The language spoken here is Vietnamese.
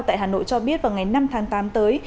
tại hà nội cho biết vào ngày năm tháng tám tới